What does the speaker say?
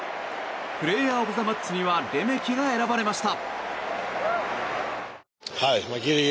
プレーヤー・オブ・ザ・マッチにはレメキが選ばれました。